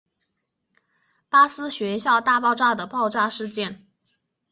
巴斯学校大爆炸的爆炸事件。